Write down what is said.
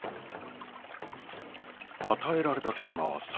与えられたテーマはサラダ。